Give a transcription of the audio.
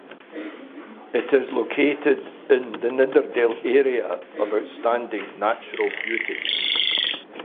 It is located in the Nidderdale area of outstanding natural beauty.